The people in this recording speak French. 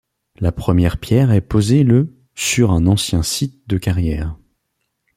La première pierre est posée le sur un ancien site de carrière.